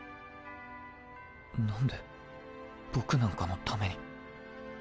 なんで僕なんかのために。